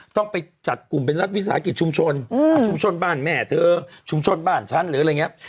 ต้องไปจัดกลุ่มเป็นรัฐวิสาหกิจชุมชนชุมชนบ้านแม่เธอชุมชนบ้านฉันหรืออะไรอย่างนี้